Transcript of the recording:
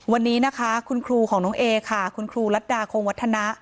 วันนี้นะคะคุณครูของน้องเอค่ะคุณครูรัฐดาคงวัฒนะ